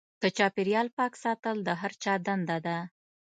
د چاپیریال پاک ساتل د هر چا دنده ده.